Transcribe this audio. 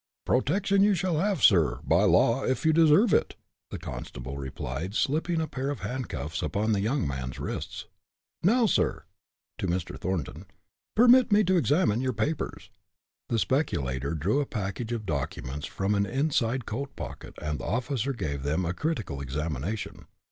"Protection you shall have, sir, by law, if you deserve it!" the constable replied, slipping a pair of hand cuffs upon the young man's wrists. "Now, sir" to Mr. Thornton "permit me to examine your papers." The speculator drew a package of documents from an inside coat pocket, and the officer gave them a critical examination.